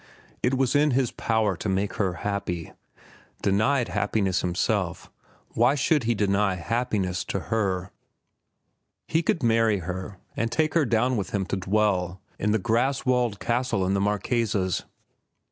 It was in his power to make her happy. Denied happiness himself, why should he deny happiness to her? He could marry her and take her down with him to dwell in the grass walled castle in the Marquesas.